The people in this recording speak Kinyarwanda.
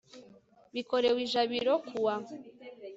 bikorewe i jabiro kuwa